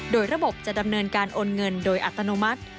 โดยระบบจะดำเนินการโอนเงินโดยอัตโนมัติ